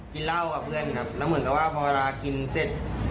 กินเหล้ากับเพื่อนครับแล้วเหมือนกับว่าพอเวลากินเสร็จ